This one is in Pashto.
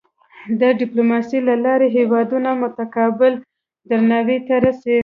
د ډیپلوماسۍ له لارې هېوادونه متقابل درناوی ته رسي.